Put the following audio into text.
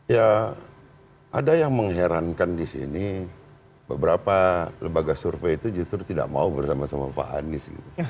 ya ada yang mengherankan di sini beberapa lembaga survei itu justru tidak mau bersama sama pak anies